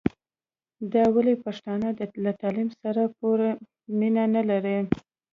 دا ولي پښتانه له تعليم سره پوره مينه نلري